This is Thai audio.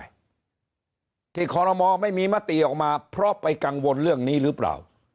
ที่คอรมอลไม่มีมติออกมาเพราะไปกังวลเรื่องนี้หรือเปล่า